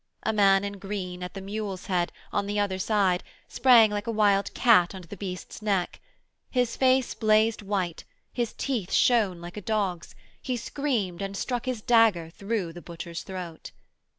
A man in green at the mule's head, on the other side, sprang like a wild cat under the beast's neck. His face blazed white, his teeth shone like a dog's, he screamed and struck his dagger through the butcher's throat.